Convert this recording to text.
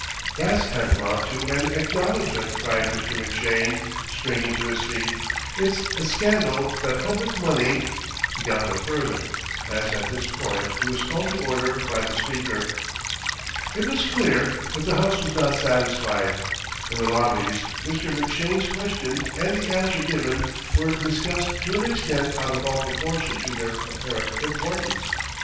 "That's tantamount to an acknowledgment," cried Mr. McShane, springing to his feet. "It's a scandal that public money " He got no further, as at this point he was called to order by the Speaker. It was clear that the House was not satisfied. In the lobbies Mr. McShane's question and the answer given were discussed to an extent out of all proportion to their apparent importance.